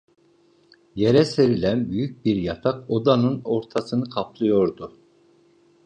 Yere serilen büyük bir yatak odanın ortasını kaplıyordu.